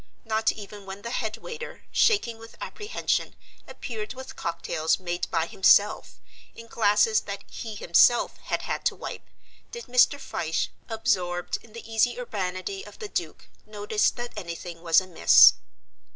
Not even when the head waiter, shaking with apprehension, appeared with cocktails made by himself, in glasses that he himself had had to wipe, did Mr. Fyshe, absorbed in the easy urbanity of the Duke, notice that anything was amiss.